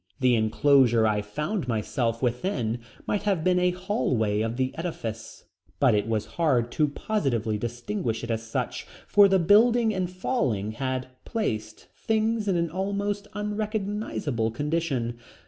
The enclosure I found myself within might have been a hallway of the edifice, but it was hard to positively distinguish it as such, for the building in falling had placed things in an almost unrecognizable condition.